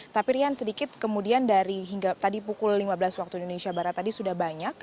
tapi rian sedikit kemudian dari hingga tadi pukul lima belas waktu indonesia barat tadi sudah banyak